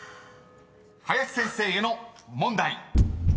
［林先生への問題］